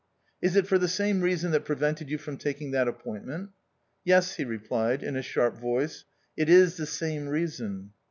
"Is it for the same reason that prevented you from taking that appointment?" "Yes," he replied in a sharp voice, " it is the same reason."